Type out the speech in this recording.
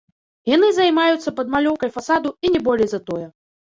Яны займаюцца падмалёўкай фасаду і не болей за тое.